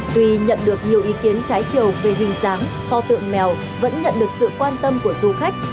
tuy nhận được nhiều ý kiến trái chiều về hình dáng kho tượng mèo vẫn nhận được sự quan tâm của du khách